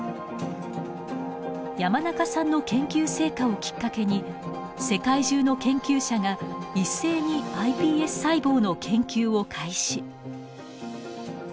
山中さんの研究成果をきっかけに世界中の研究者が一斉にｉＰＳ細胞の研究を開始。